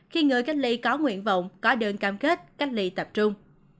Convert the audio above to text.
khi người cách ly có nguyện vọng có đơn cam kết cách ly tập trung